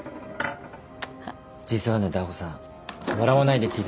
実はねダー子さん笑わないで聞いてほしいんだが。